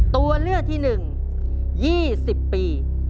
ตัวเลือกที่สอง๒๒ปี